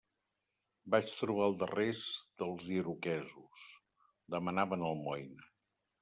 Vaig trobar els darrers dels iroquesos: demanaven almoina.